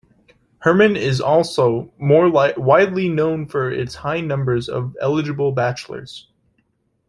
Herman is also more widely known for its high number of eligible bachelors.